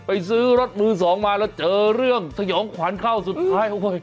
ไปซื้อรถมือสองมาแล้วเจอเรื่องสยองขวัญเข้าสุดท้ายโอ้โห